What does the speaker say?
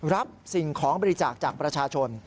รับสิ่งของบริจาคจากประชาชน